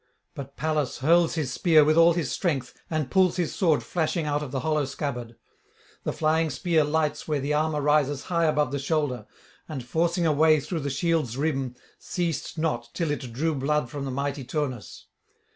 But Pallas hurls his spear with all his strength, and pulls his sword flashing out of the hollow scabbard. The flying spear lights where the armour rises high above the shoulder, and, forcing a way through the shield's rim, ceased not till it drew blood from mighty Turnus.